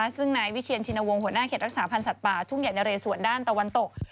ซึ่งนายวิเชียนชินวงศ์หัวหน้าเขตรักษาพันธ์สัตว์ป่าทุ่งใหญ่นะเรสวนด้านตะวันตก